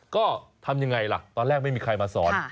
ก็ทำยังไงล่ะตอนแรกไม่มีใครมาสอน